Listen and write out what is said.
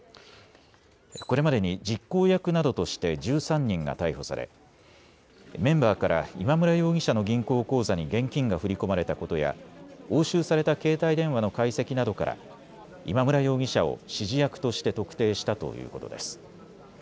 これまでに実行役などとして１３人が逮捕されメンバーから今村容疑者の銀行口座に現金が振り込まれたことや押収された携帯電話の解析などから今村容疑者を指示役として特定したということです。